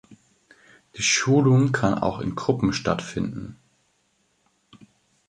Die Schulung kann auch in Gruppen stattfinden.